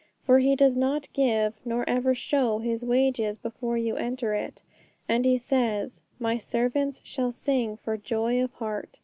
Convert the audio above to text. For He does not give, nor even show, His wages before you enter it. And He says, 'My servants shall sing for joy of heart.'